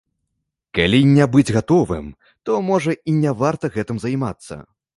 Калі не быць гатовым, то, можа, і не варта гэтым займацца.